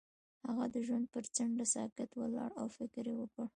هغه د ژوند پر څنډه ساکت ولاړ او فکر وکړ.